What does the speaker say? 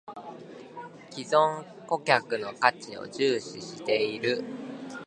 ① 既存顧客の価値を重視している